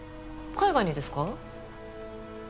海外にですか？